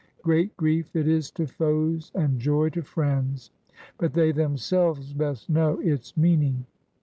Great grief it is to foes and joy to friends; but they themselves best know its meaning."